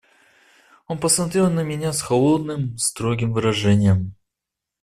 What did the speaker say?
Он посмотрел на меня с холодным, строгим выражением.